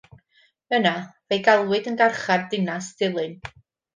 Yna fe'i galwyd yn Garchar Dinas Dulyn.